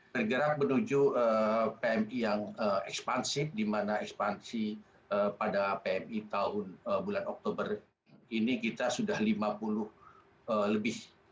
bergerak menuju pmi yang ekspansif di mana ekspansi pada pmi tahun bulan oktober ini kita sudah lima puluh lebih